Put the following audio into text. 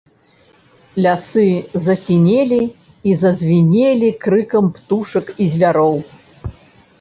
Лясы засінелі і зазвінелі крыкам птушак і звяроў.